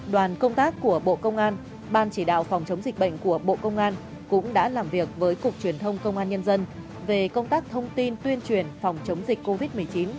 đoàn công tác của bộ công an ban chỉ đạo phòng chống dịch bệnh của bộ công an cũng đã làm việc với cục truyền thông công an nhân dân về công tác thông tin tuyên truyền phòng chống dịch covid một mươi chín